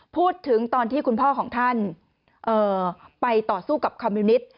พูดถึงตอนที่คุณพ่อของท่านไปต่อสู้กับคอมมิวนิต